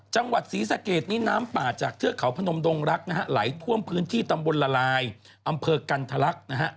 จังหวัดศรีสะเกดนี้น้ำป่าจากเทือกเขาพนมดงรักนะฮะไหลท่วมพื้นที่ตำบลละลายอำเภอกันทะลักษณ์นะฮะ